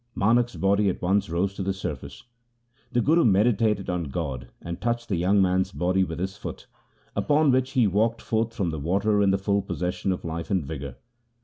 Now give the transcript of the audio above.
Manak's body at once rose to the surface. The Guru meditated on God, and touched the young man's body with his foot, upon which he walked forth from the water in the full possession of life and vigour.